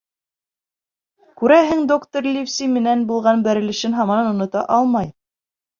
Күрәһең, доктор Ливси менән булған бәрелешен һаман онота алмай.